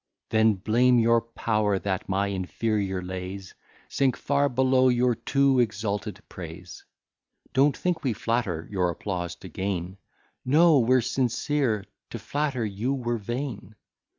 Then blame your power, that my inferior lays Sink far below your too exalted praise: Don't think we flatter, your applause to gain; No, we're sincere, to flatter you were vain.